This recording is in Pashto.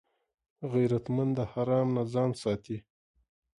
غیرتمند د حرام نه ځان ساتي